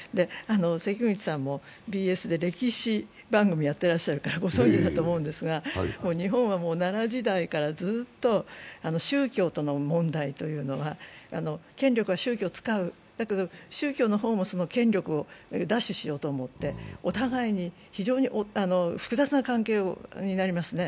関口さんもＢＳで歴史番組をやってらっしゃるからご存じだと思うんですが、日本はもう奈良時代からずっと宗教との問題というのは権力は宗教を使う、だけど宗教の方も権力を奪取しようと思ってお互いに非常に複雑な関係になりますね。